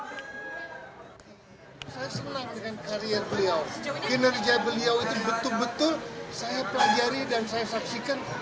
saya senang dengan karier beliau kinerja beliau itu betul betul saya pelajari dan saya saksikan